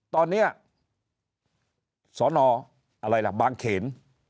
ตอนนี้สอนออะไรล่ะบางเขน